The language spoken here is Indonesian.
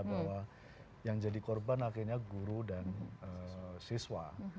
bahwa yang jadi korban akhirnya guru dan siswa